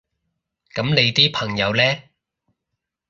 噉你啲朋友呢？